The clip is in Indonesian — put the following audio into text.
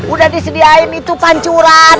udah disediain itu pancuran